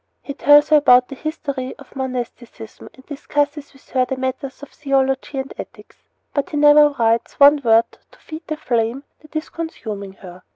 He tells her about the history of monasticism, and discusses with her matters of theology and ethics; but he never writes one word to feed the flame that is consuming her.